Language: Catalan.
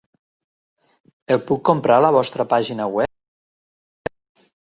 El puc comprar a la vostra pàgina web?